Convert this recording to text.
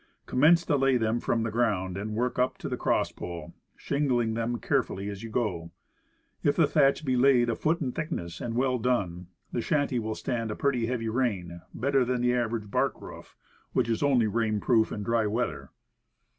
Commence to lay them from the ground, and work up to the crosspole, shingling them carefully as you go. If the thatch be laid a foot in thickness, and well done, the shanty will stand a pretty heavy rain better than the average bark roof, which is only rain proof in dry weather.